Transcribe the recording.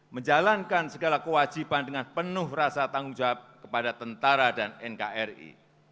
menjalankan segala kewajiban dengan penuh rasa tanggung jawab kepada tentara dan nkri